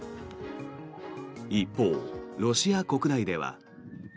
一方、ロシア国内では。